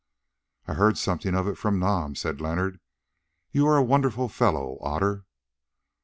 "I heard something of it from Nam," said Leonard. "You are a wonderful fellow, Otter."